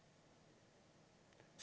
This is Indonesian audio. harus benar benar netral